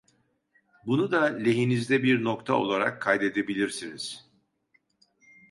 Bunu da lehinizde bir nokta olarak kaydedebilirsiniz…